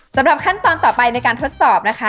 สำหรับขั้นตอนต่อไปในการทดสอบนะคะ